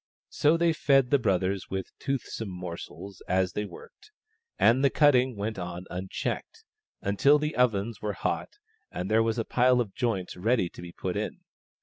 So they fed the brothers with toothsome morsels as they worked, and the cutting went on unchecked, until the ovens were hot and there was a pile of joints ready to be put in.